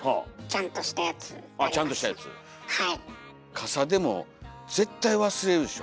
傘でも絶対忘れるでしょ。